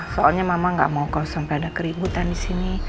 soalnya mama gak mau kau sampai ada keributan disini